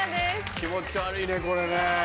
気持ち悪いねこれね。